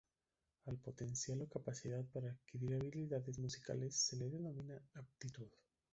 Al potencial o capacidad para adquirir habilidades musicales se le denomina aptitud.